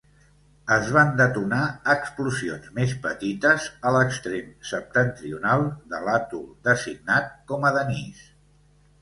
Es van detonar explosions més petites a l'extrem septentrional de l'atol, designat com a Denise.